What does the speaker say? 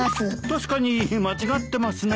確かに間違ってますね。